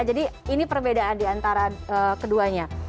jadi ini perbedaan diantara keduanya